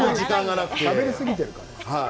しゃべりすぎているから。